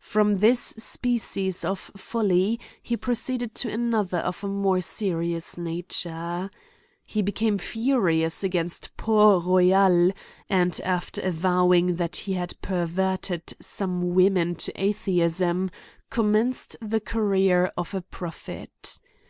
From this species of folly he proceeded to another of a more serious nature. He became furious against Port Royal; a? d, after avowing that he had perverted some women to Atheism, commenced the career CRIMES AND PUNlSmfENTS. 189 of a Prophet.